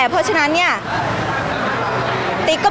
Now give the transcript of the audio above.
พี่ตอบได้แค่นี้จริงค่ะ